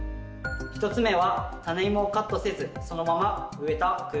１つ目はタネイモをカットせずそのまま植えた区。